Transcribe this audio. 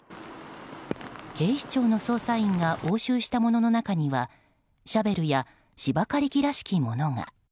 警視庁の捜査員が押収したものの中にはシャベルや芝刈り機らしきものが。